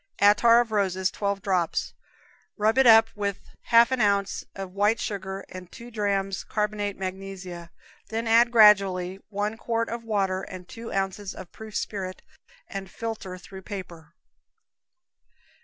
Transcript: Attar of rose, twelve drops; rub it up with half an ounce of white sugar and two drams carbonate magnesia, then add gradually one quart of water and two ounces of proof spirit, and filter through paper.